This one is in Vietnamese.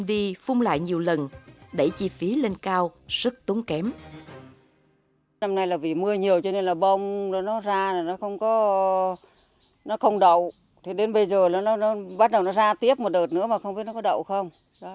thế đến bây giờ nó bắt đầu nó ra tiếp một đợt nữa mà không biết nó có đậu không